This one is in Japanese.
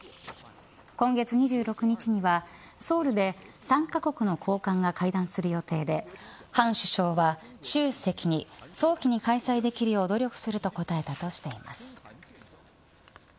今月２６日にはソウルで３カ国の高官が会談する予定で韓首相は習主席に早期に開催できるよう努力すると答えたとしています。